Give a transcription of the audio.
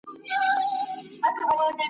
هغه شین سترګی مرشد `